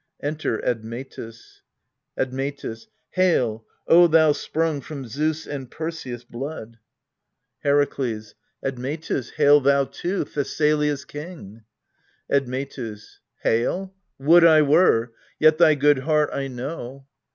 Enter ADMETUS Admetus. Hail, O thou sprung from Zeus' and Perseus' blood ! 2i6 EURIPIDES Heraklcs. Admetus, hail thou too, Thessalia's king. Admctus. Hale ? Would I were ! Yet thy good heart I know.